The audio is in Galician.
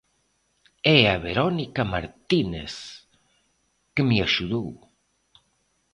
E a Verónica Martínez, que me axudou.